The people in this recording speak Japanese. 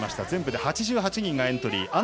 全部で８８人がエントリー。